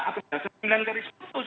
atau sembilan dari seratus